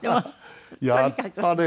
やったね！